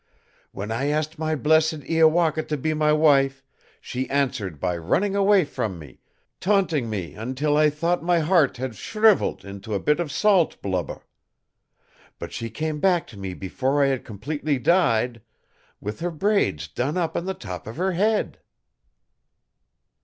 When I asked my blessed Iowaka to be my wife, she answered by running away from me, taunting me until I thought my heart had shriveled into a bit of salt blubber; but she came back to me before I had completely died, with her braids done up on the top of her head!"